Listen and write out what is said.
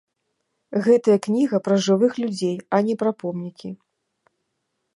Гэтая кніга пра жывых людзей, а не пра помнікі.